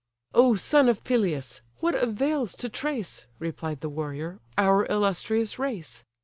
"O son of Peleus! what avails to trace (Replied the warrior) our illustrious race?